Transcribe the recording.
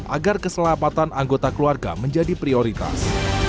agar keselamatan anggota keluarga menjadi prioritas